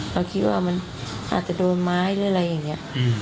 เราคิดว่ามันอาจจะโดนไม้หรืออะไรอย่างนี้